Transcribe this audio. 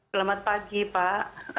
selamat pagi pak